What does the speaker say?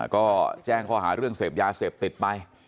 ก็แจ้งข้อหาเรื่องเสพยาเสพติดไป